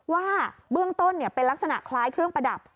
ว่าเบื้องต้นเป็นลักษณะคล้ายเครื่องประดับ